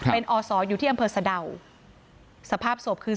เป็นอศอยู่ที่อำเภอสะดาวสภาพศพคือ